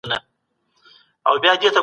دوی د نوې مفروضې په اړه فکر کړی دی.